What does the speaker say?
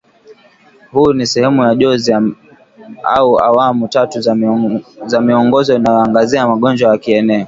huu ni sehemu ya jozi au awamu tatu za miongozo inayoangazia magonjwa ya kieneo